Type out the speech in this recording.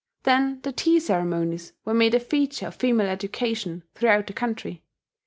Then the tea ceremonies were made a feature of female education throughout the country.